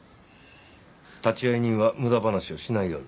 立会人は無駄話をしないように。